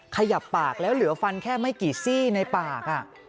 ขยับปากแล้วเหลือฟันแค่ไม่กี่ซี่ในปาก